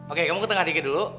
oke kamu ketengah dikit dulu